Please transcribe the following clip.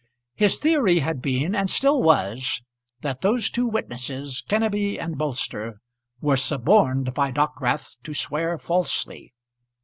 His theory had been, and still was, that those two witnesses, Kenneby and Bolster, were suborned by Dockwrath to swear falsely.